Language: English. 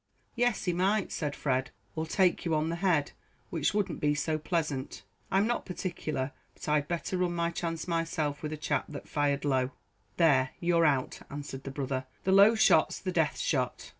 "Yes, he might," said Fred; "or take you on the head which wouldn't be so pleasant. I'm not particular but I'd better run my chance myself with a chap that fired low." "There you're out," answered the brother. "The low shot's the death shot.